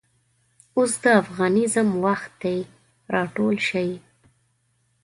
اوس دافغانیزم وخت دی راټول شئ